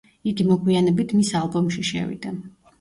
იგი მოგვიანებით მის ალბომში შევიდა.